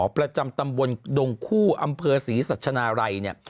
ประจำตำบลดงคู่อำเภอศรีสัชนาลัยเนี่ย